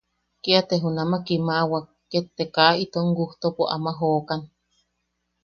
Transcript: Kia te junama kimawak, ket te kaa itom gustopo ama jokan.